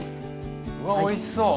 わおいしそう！